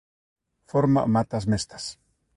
Forma matas mestas.